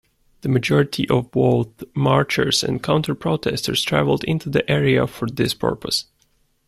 The majority of both marchers and counter-protesters travelled into the area for this purpose.